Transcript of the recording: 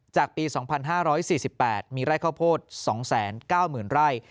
ปี๒๕๔๘มีไร่ข้าวโพด๒๙๐๐ไร่